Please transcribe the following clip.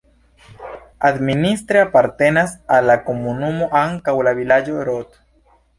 Administre apartenas al la komunumo ankaŭ la vilaĝo Rod.